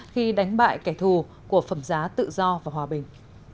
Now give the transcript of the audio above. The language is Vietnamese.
khi đánh bại kẻ thù của phẩm giá tự do và hòa bình